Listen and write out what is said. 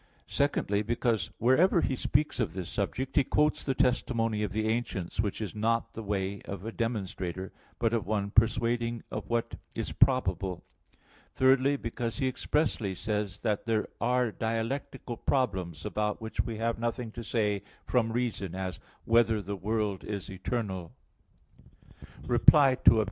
Secondly, because wherever he speaks of this subject, he quotes the testimony of the ancients, which is not the way of a demonstrator, but of one persuading of what is probable. Thirdly, because he expressly says (Topic. i, 9), that there are dialectical problems, about which we have nothing to say from reason, as, "whether the world is eternal." Reply Obj.